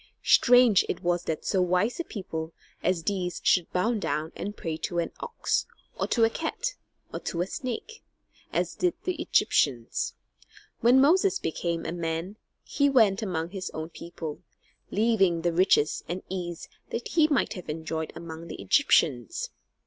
Strange it was that so wise a people as these should bow down and pray to an ox, or to a cat, or to a snake, as did the Egyptians. When Moses became a man, he went among his own people, leaving the riches and ease that he might have enjoyed among the Egyptians.